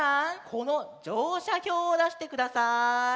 このじょうしゃひょうをだしてください。